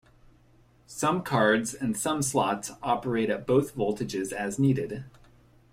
Some cards and some slots operate at both voltages as needed.